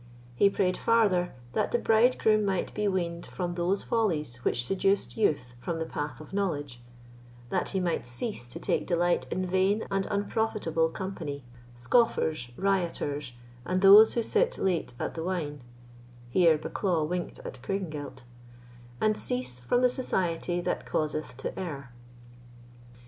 He prayed farther, that the bridegroom might be weaned from those follies which seduced youth from the path of knowledge; that he might cease to take delight in vain and unprofitable company, scoffers, rioters, and those who sit late at the wine (here Bucklaw winked at Craigengelt), and cease from the society that causeth to err.